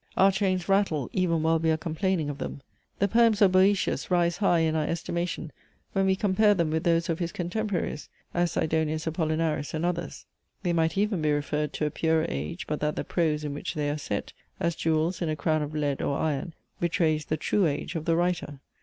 Our chains rattle, even while we are complaining of them. The poems of Boetius rise high in our estimation when we compare them with those of his contemporaries, as Sidonius Apollinaris, and others. They might even be referred to a purer age, but that the prose, in which they are set, as jewels in a crown of lead or iron, betrays the true age of the writer.